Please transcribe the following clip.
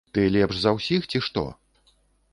Ты лепш за ўсіх, ці што?